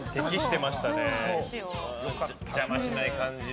邪魔しない感じで。